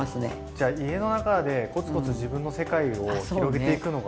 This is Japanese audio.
じゃあ家の中でコツコツ自分の世界を広げていくのが。